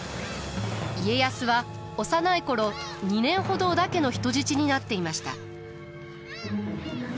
家康は幼い頃２年ほど織田家の人質になっていました。